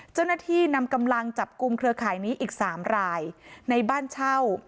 เจ้าหน้าที่นำกำลังจับกลุ่มเครือข่ายนี้อีก๓รายในบ้านเช่า